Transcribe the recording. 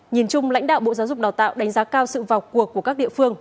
nhìn chung lãnh đạo bộ giáo dục đào tạo đánh giá cao sự vào cuộc của các địa phương